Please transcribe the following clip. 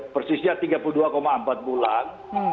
persisnya tiga puluh dua empat bulan